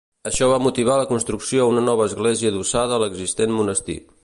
Això va motivar la construcció una nova església adossada a l'existent monestir.